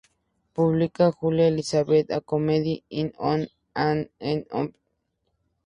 Publica "Julia Elizabeth: A Comedy, in one act", "The Optimist", "The Outcast".